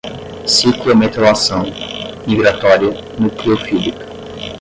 ciclometalação, migratória, nucleofílica